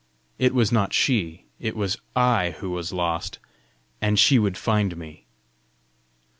It was not she, it was I who was lost, and she would find me!